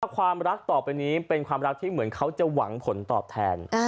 ความรักต่อไปนี้เป็นความรักที่เหมือนเขาจะหวังผลตอบแทน